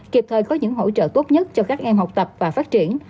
kịp thời có những hỗ trợ tốt nhất cho các em học tập và phát triển